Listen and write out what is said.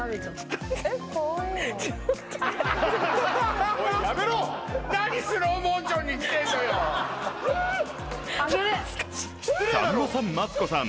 さんまさんマツコさん